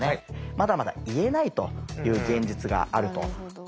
まだまだ言えないという現実があると。